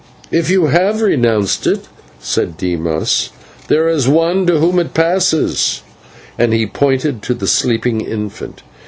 "If you have renounced it," said Dimas, "there is one to whom it passes" and he pointed to the sleeping infant.